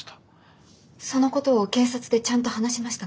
そのことを警察でちゃんと話しましたか？